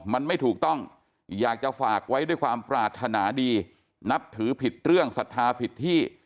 มันไม่ถูกต้องอยากจะฝากไว้ด้วยความปรารถนาดีนับถือผิดเรื่องศรัทธาผิดที่